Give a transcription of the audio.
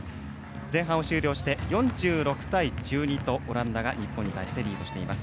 前半終了して４６対１２とオランダが日本に対してリードしています。